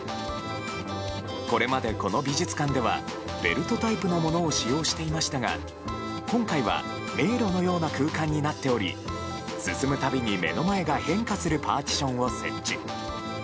これまで、この美術館ではベルトタイプのものを使用していましたが、今回は迷路のような空間になっており進む度に目の前が変化するパーティションを設置。